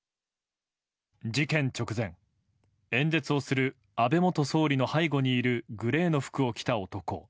事件直前、演説をする安倍元総理の背後にいるグレーの服を着た男。